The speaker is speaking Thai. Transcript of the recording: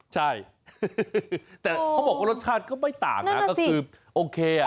ใช่แต่เขาบอกว่ารสชาติก็ไม่ต่างนะก็คือโอเคอ่ะ